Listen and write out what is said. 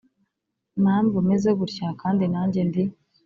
mpamvu meze gutya, kandi nanjye ndi.